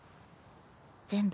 全部。